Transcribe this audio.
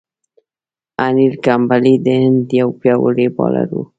انیل کمبلې د هند یو پياوړی بالر وو.